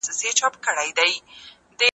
د ټولني د پرمختګ لپاره ځانګړي ځواکونه وټاکل سول.